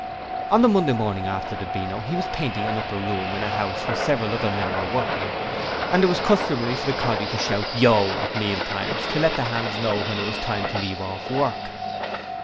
On the Monday morning after the Beano he was painting an upper room in a house where several other men were working, and it was customary for the coddy to shout 'Yo! Ho!' at mealtimes, to let the hands know when it was time to leave off work.